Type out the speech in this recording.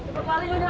cepat balik yonya